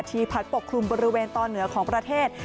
พัดปกคลุมบริเวณตอนเหนือของประเทศ